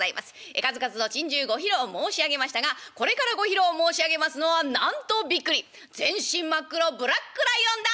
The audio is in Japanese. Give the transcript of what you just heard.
数々の珍獣ご披露申し上げましたがこれからご披露申し上げますのはなんとびっくり全身真っ黒ブラックライオンだ。